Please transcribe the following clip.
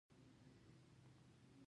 انګرېزانو سترګې نه شوای پټولای.